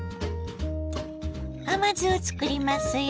甘酢を作りますよ。